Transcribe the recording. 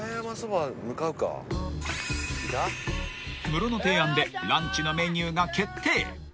［ムロの提案でランチのメニューが決定］